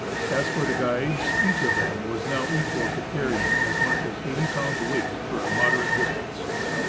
As for the guides, each of them was now equal to carrying as much as 80 lbs. weiofht for a moderate distance.